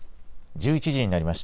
１１時になりました。